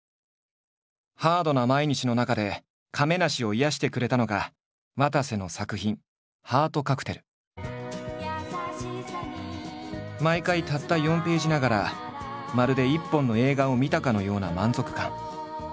ハードな毎日の中で亀梨を癒やしてくれたのがわたせの作品毎回たった４ページながらまるで一本の映画を見たかのような満足感。